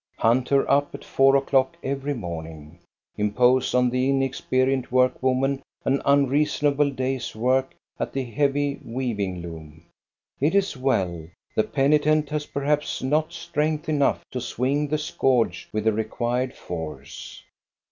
Hunt her up at four o'clock every morning ! Impose on the inexperienced workwoman an unreasonable day*s work at the heavy weaving loom ! It is well. The penitent has perhaps not strength enough to swing the scourge with the required force.